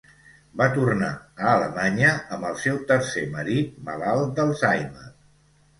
Va tornar a Alemanya amb el seu tercer marit malalt d'Alzheimer.